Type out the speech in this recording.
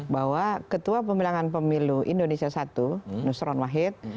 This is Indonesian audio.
bahwa ketua pemilangan pemilu indonesia i nusron wahid